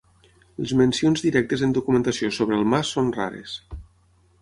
Les mencions directes en documentació sobre el mas són rares.